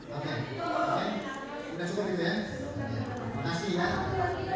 oke sudah cukup itu ya